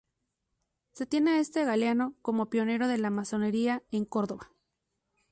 Se tiene a este galeno como pionero de la masonería en Córdoba.